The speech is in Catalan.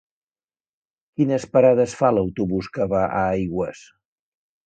Quines parades fa l'autobús que va a Aigües?